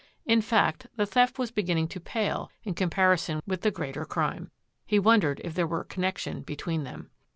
In fact, the theft was beginning to pale in comparison with the greater crime. He wondered if there were connection between them.